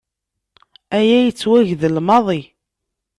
Aya yettwagdel maḍi.